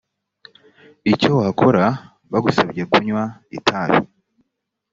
icyo wakora bagusabye kunywa itabi